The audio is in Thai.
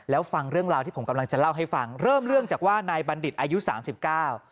แล้วฟังเรื่องราวที่ผมกำลังจะเล่าให้ฟังเริ่มเรื่องจากว่านายบัณฑิตอายุสามสิบเก้า